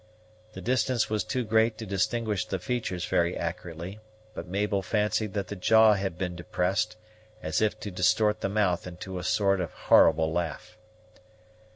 The distance was too great to distinguish the features very accurately; but Mabel fancied that the jaw had been depressed, as if to distort the mouth into a sort of horrible laugh.